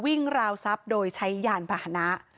วิ่งราวทรัพย์โดยใช้ยานภาณะ